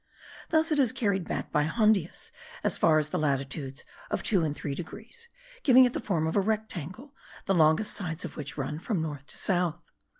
Thus it is carried back by Hondius as far as the latitudes of 2 and 3 degrees, giving it the form of a rectangle, the longest sides of which run from north to south.